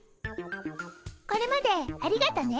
これまでありがとね。